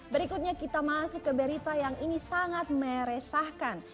berikutnya kita masuk ke berita yang ini sangat meresahkan